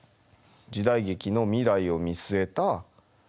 時代劇の未来を見据えた回にしたい。